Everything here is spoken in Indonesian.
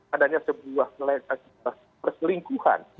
adanya sebuah perselingkuhan